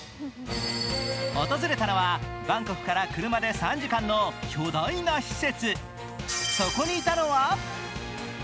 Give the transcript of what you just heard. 訪れたのはバンコクから車で３時間の巨大な施設。